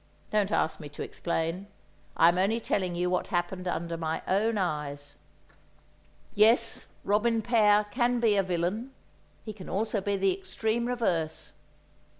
Don't ask me to explain; I am only telling you what happened under my own eyes. Yes, robin père can be a villain; he also can be the extreme reverse.